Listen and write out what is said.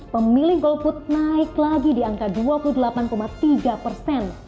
dua ribu sembilan pemilih golput naik lagi di angka dua puluh delapan tiga persen